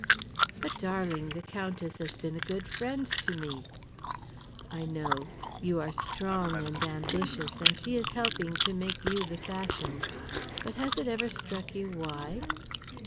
"But, darling, the Countess has been a good friend to me." "I know. You are strong and ambitious, and she is helping to make you the fashion. But has it ever struck you why?"